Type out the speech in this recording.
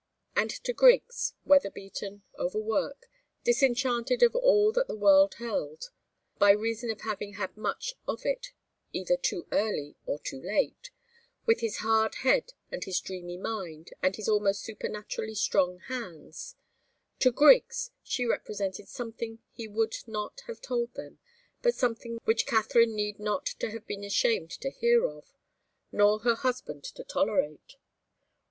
And to Griggs, weather beaten, overworked, disenchanted of all that the world held, by reason of having had much of it either too early or too late, with his hard head and his dreamy mind and his almost supernaturally strong hands to Griggs she represented something he would not have told then, but something which Katharine need not have been ashamed to hear of, nor her husband to tolerate.